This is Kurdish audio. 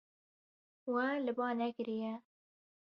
We li ba nekiriye.